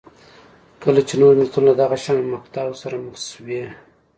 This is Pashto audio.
کله چې نور ملتونه له دغه شان مقطعو سره مخ شوي